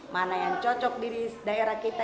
mana yang cocok di daerah kita